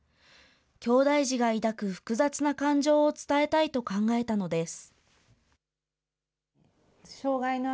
きょうだい児が抱く複雑な感情を伝えたいと考えたのです。